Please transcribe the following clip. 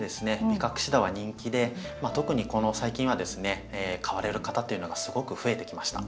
ビカクシダは人気で特にこの最近はですね買われる方っていうのがすごく増えてきました。